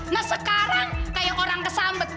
nah sekarang kayak orang kesambet